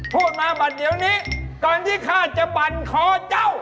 พูดมาบั่นเดี๋ยวนี้ก่อนที่ข้าจะบั่นคอเจ้า